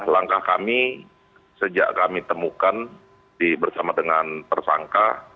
langkah kami sejak kami temukan bersama dengan tersangka